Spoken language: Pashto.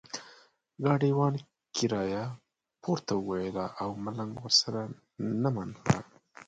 ګاډیوان کرایه پورته ویله او ملنګ ورسره نه منله.